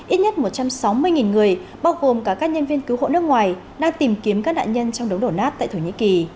ít nhất một trăm sáu mươi người bao gồm cả các nhân viên cứu hộ nước ngoài đang tìm kiếm các nạn nhân trong đống đổ nát tại thổ nhĩ kỳ